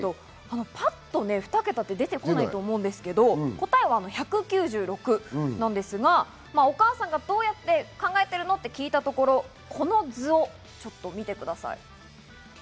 パッと２桁って出てこないと思うんですけど、答えは１９６なんですが、お母さんがどうやって考えているの？と聞いたところ、この図を見てください。